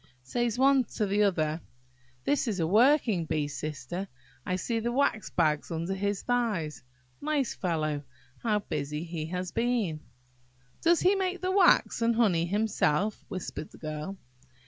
Says the one to the other, "This is a working bee, Sister; I see the wax bags under his thighs. Nice fellow! how busy he has been!" "Does he make the wax and honey himself?" whispered the Girl.